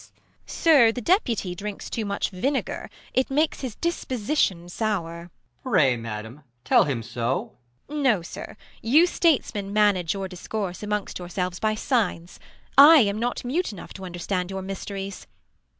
Beat. Sir, the deputy drinks too much vinegar ; THE LAW AGAINST LOVERS. 137 It makes his disposition sour. EsCH. Pray, madam, tell him so. Beat. No, sir, you Statesmen manage your discourse Amongst yourselves by signs. I am not mute Enough to underetand your mysteries.